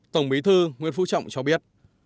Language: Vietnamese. tổng bí thư nguyễn phú trọng cho biết